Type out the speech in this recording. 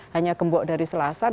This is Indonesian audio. hanya kembok dari selasar